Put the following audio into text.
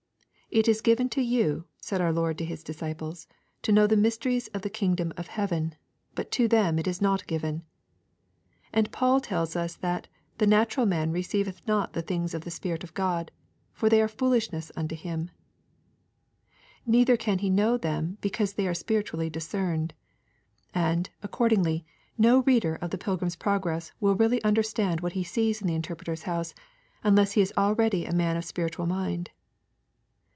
'It is given to you,' said our Lord to His disciples, 'to know the mysteries of the Kingdom of Heaven, but to them it is not given.' And Paul tells us that 'the natural man receiveth not the things of the Spirit of God, for they are foolishness unto him: neither can he know them, because they are spiritually discerned.' And, accordingly, no reader of the Pilgrim's Progress will really understand what he sees in the Interpreter's House, unless he is already a man of a spiritual mind.